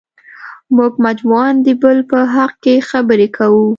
موږ مجموعاً د بل په حق کې خبرې کوو.